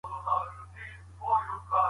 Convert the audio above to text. ذهني توازن انرژي ساتي.